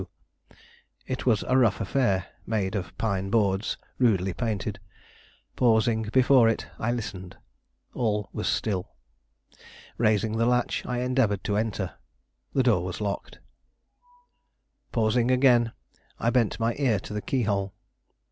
It was a rough affair, made of pine boards rudely painted. Pausing before it, I listened. All was still. Raising the latch, I endeavored to enter. The door was locked. Pausing again, I bent my ear to the keyhole.